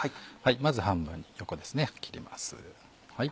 まず半分に横ですね切ります。